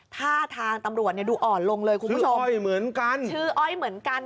ท่าทางตำรวจเนี่ยดูอ่อนลงเลยคุณผู้ชมอ้อยเหมือนกันชื่ออ้อยเหมือนกัน